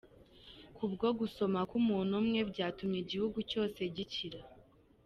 Ku bwo gusoma kw’umuntu umwe byatumye igihugu cyose gikira.